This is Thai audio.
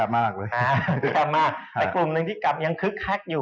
เพราะแคบมากไอ้กลุ่มหนึ่งที่กลัวกันอย่างคึกคักอยู่